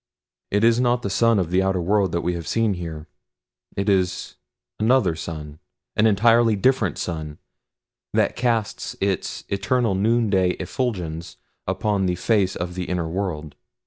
"It is not the sun of the outer world that we see here. It is another sun an entirely different sun that casts its eternal noonday effulgence upon the face of the inner world.